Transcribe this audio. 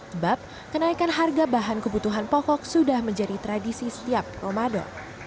sebab kenaikan harga bahan kebutuhan pokok sudah menjadi tradisi setiap ramadan